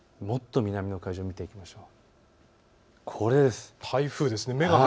もっと南の海上を見ていきましょう。